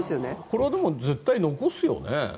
これはでも絶対残すよね。